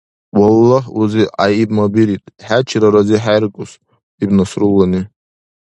Валлагь, узи, гӀяйибмабирид, хӀечира разихӀеркус, — иб Насруллани.